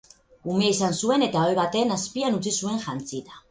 Umea izan zuen eta ohe baten azpian utzi zuen jantzita.